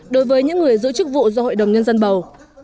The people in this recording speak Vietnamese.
đối với những người giữ chức vụ do hội đồng nhân dân bầu